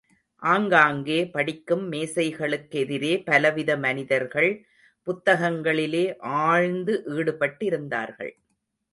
ஆங்காங்கே படிக்கும் மேசைகளுக்கெதிரே பலவித மனிதர்கள், புத்தகங்களிலே ஆழ்ந்து ஈடுபட்டிருந்தார்கள்.